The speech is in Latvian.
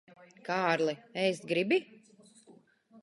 Kārli, ēst gribi?